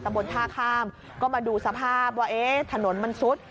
ตะบนท่าข้ามก็มาดูสภาพว่าถนนมันสุด